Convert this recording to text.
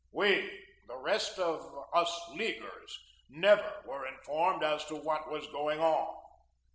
We the rest of us Leaguers never were informed as to what was going on.